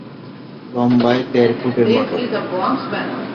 লম্বায় দেড় ফুটের মতো।